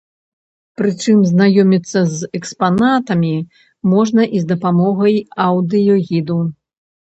Прычым знаёміцца з экспанатамі можна і з дапамогаю аўдыёгіду.